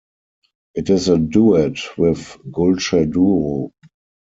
It is a duet with Gulce Duru.